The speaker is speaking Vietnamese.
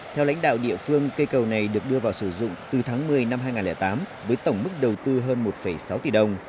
theo lãnh đạo địa phương cây cầu này được đưa vào sử dụng từ tháng một mươi năm hai nghìn tám với tổng mức đầu tư hơn một sáu tỷ đồng